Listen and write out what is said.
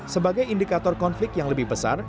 sebagai indikator konflik yang lebih besar